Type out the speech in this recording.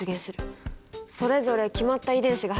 それぞれ決まった遺伝子が発現してるんだ。